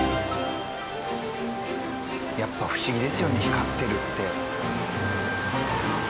やっぱ不思議ですよね光ってるって。